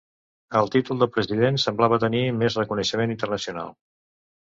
El títol de president semblava tenir més reconeixement internacional.